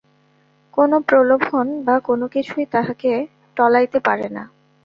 কোন প্রলোভন বা কোনকিছুই তাঁহাকে টলাইতে পারে না।